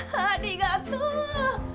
ありがとう。